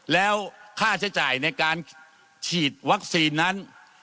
แล้วค่าใช้จ่ายในการฉีดวัคซีนนั้น